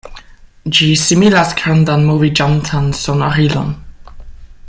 Ĝi similas grandan moviĝantan sonorilon.